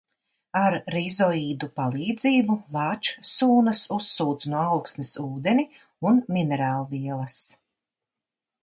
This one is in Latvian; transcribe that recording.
Ar rizoīdu palīdzību, lāčsūnas uzsūc no augsnes ūdeni un minerālvielas.